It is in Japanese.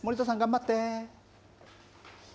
森田さん、頑張って。